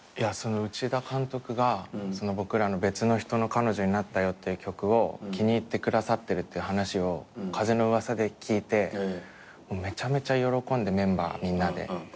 内田監督が僕らの『別の人の彼女になったよ』という曲を気に入ってくださってるっていう話を風の噂で聞いてめちゃめちゃ喜んでメンバーみんなで。